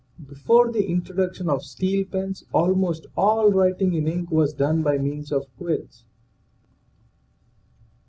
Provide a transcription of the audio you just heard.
Before the introduction of steel pens almost all writing in ink was done by means of quills.